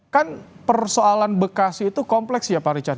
kan persoalan bekasi itu kompleks ya pak richard